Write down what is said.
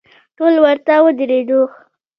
ټول ورته ودریدو.